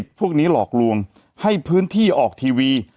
แต่หนูจะเอากับน้องเขามาแต่ว่า